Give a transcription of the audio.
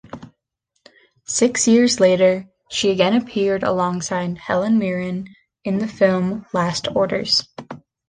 Six years later, she again appeared alongside Helen Mirren in the film "Last Orders".